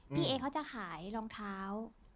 พี่เอ๊เขาจะขายรองเท้า